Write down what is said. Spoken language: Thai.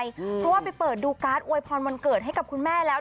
เพราะว่าไปเปิดดูการ์ดอวยพรวันเกิดให้กับคุณแม่แล้ว